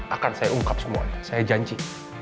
akan saya ungkap semuanya saya janji